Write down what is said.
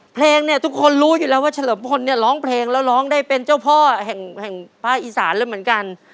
เพลงเนี่ยทุกคนรู้อยู่แล้วว่าเฉลิมพลเนี่ยร้องเพลงแล้วร้องได้เป็นเจ้าพ่อแห่งภาคอีสานเลยเหมือนกัน